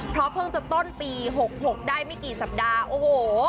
เพราะเพิ่งจะต้นปี๖๖ได้ไม่กี่สัปดาห์โอ้โห